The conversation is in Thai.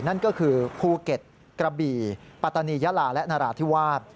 นั่นก็คือภูเก็ตกระบี่ปัตตานียาลาและนราธิวาส